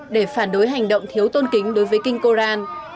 để phản đối hành động thiếu tôn kính đối với kinh koran